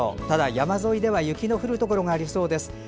ただ、山沿いでは雪の降るところがありそうです。